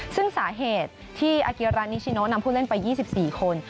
ซึ่งสาเหตุที่อาเกียรานิชิโนนำผู้เล่นไป๒๔คน